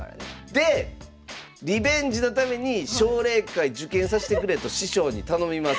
でリベンジのために奨励会受験さしてくれと師匠に頼みます。